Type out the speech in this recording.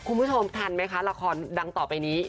คุณผู้ชมทันไหมคะละครดังต่อไปนี้